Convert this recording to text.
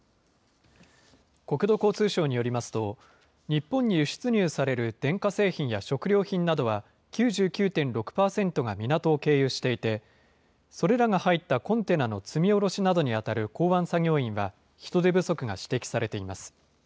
国土交通省によりますと、日本に輸出入される電化製品や食料品などは９９．６％が港を経由していて、それらが入ったコンテナの積み降ろしなどにあたる港湾作業員は、人手不足が指摘されています。